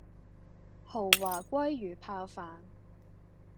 豪華鮭魚泡飯